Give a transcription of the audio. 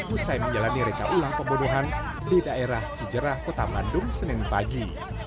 usai menjalani reka ulang pembunuhan di daerah cijerah kota bandung senin pagi